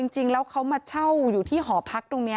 จริงแล้วเขามาเช่าอยู่ที่หอพักตรงนี้